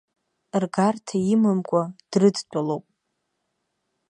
Ргарҭа имамкәа дрыдтәалоуп.